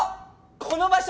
この場所！